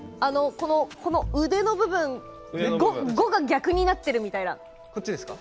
腕の部分五が逆になっているみたいな。